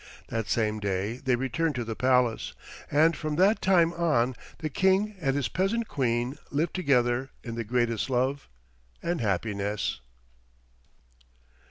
That same day they returned to the palace, and from that time on the King and his peasant Queen lived together in the greatest love and happiness.